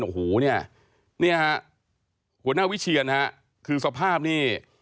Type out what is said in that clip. โอ้โหเนี่ยฮะหัวหน้าวิเชียนฮะคือสภาพนี่